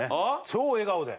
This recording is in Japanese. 超笑顔で。